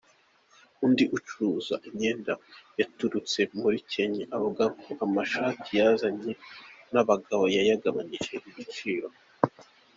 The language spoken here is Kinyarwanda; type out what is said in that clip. Undi ucuruza imyenda yaturutse muri Kenya, avuga ko amashati yazanye y’abagabo yayagabanyirije igiciro.